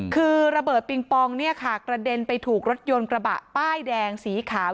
คือระเบิดปิงปองเนี่ยค่ะกระเด็นไปถูกรถยนต์กระบะป้ายแดงสีขาว